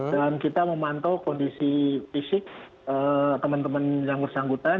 dan kita memantau kondisi fisik teman teman yang bersanggutan